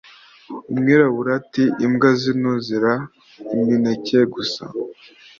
umwirabura ati imbwa zino zirira imineke gusa